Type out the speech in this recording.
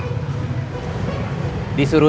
dia bilang dia capek